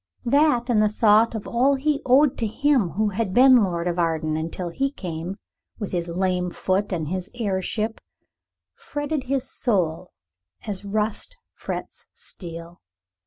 That, and the thought of all he owed to him who had been Lord of Arden until he came, with his lame foot and his heirship, fretted his soul as rust frets steel.